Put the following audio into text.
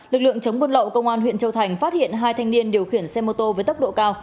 lực lượng chống buôn lậu công an huyện châu thành phát hiện hai thanh niên điều khiển xe mô tô với tốc độ cao